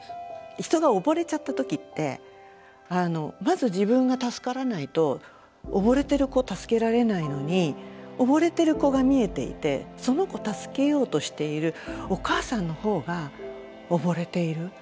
人が溺れちゃった時ってまず自分が助からないと溺れてる子助けられないのに溺れてる子が見えていてその子助けようとしているお母さんの方が溺れている。